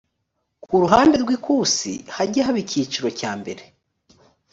mu ruhande rw ikusi hajye haba icyiciro cyambere